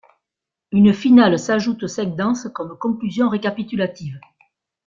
Un finale s'ajoute aux cinq danses comme conclusion récapitulative.